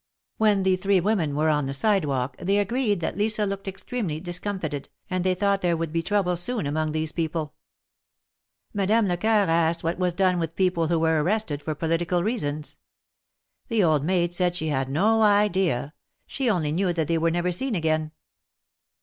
When the three women were on the sidewalk, they agreed that Lisa looked extremely discomfited, and they thought that there would be trouble soon among these people. Madame Lecoeur asked what was done with people who were arrested for political reasons. The old maid said she had no idea, she only knew that they were never seen again.